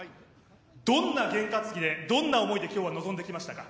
どんな験担ぎで、どんな思いで今日は来ましたか？